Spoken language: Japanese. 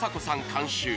監修